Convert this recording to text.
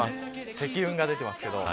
積雲が出てますけど。